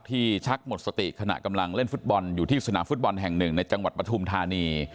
ชักหมดสติขณะกำลังเล่นฟุตบอลอยู่ที่สนามฟุตบอลแห่งหนึ่งในจังหวัดปฐุมธานี